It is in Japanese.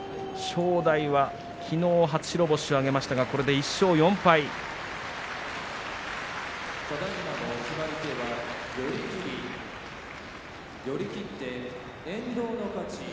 正代は、きのう初白星を挙げましたがこれで１勝４敗となりました。